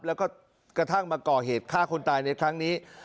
แล้วก็กระทั่งมาก่อเหตุฆ่าคนตายในครั้งนี้